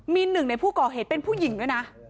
มีหนึ่งในผู้ก่อเหตุเป็นผู้หญิงด้วยนะ